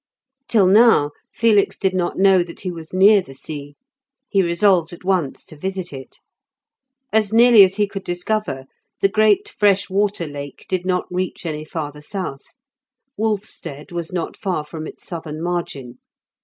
Till now, Felix did not know that he was near the sea; he resolved at once to visit it. As nearly as he could discover, the great fresh water Lake did not reach any farther south; Wolfstead was not far from its southern margin.